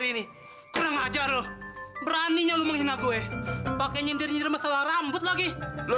ini kurang ajar beraninya lu menghina gue pake nyindir nyindir masalah rambut lagi lo